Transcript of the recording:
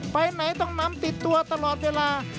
ไปไหนต้องนำติดตัวตลอดเวลา